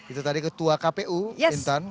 itu tadi ketua kpu intan